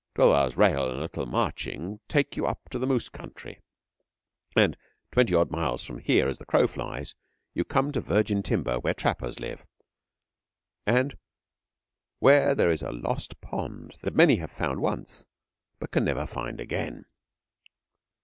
Twelve hours' rail and a little marching take you up to the moose country; and twenty odd miles from here as the crow flies you come to virgin timber, where trappers live, and where there is a Lost Pond that many have found once but can never find again.